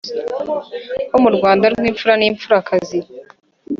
Ho mu Rwanda rw'imfura n’imfurakazi